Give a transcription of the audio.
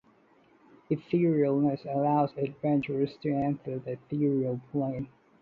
Etherealness allows adventurers to enter the Ethereal Plane